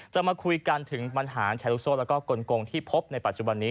มาคุยกันถึงปัญหาแชร์ลูกโซ่แล้วก็กลงที่พบในปัจจุบันนี้